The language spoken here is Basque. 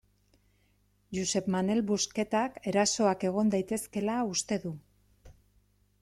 Josep Manel Busquetak erasoak egon daitezkeela uste du.